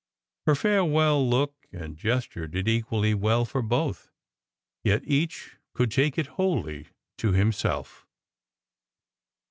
Her farewell look and gesture did equally well for both, yet each could take it wholly to himself.